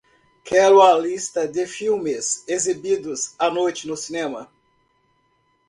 Quero a lista de filmes exibidos à noite no cinema